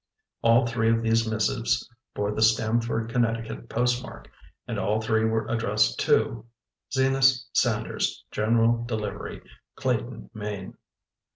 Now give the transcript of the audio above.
All three of these missives bore the Stamford, Connecticut, postmark, and all three were addressed to Zenas Sanders, General Delivery, Clayton, Maine.